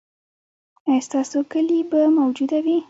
ایا ستاسو کیلي به موجوده وي؟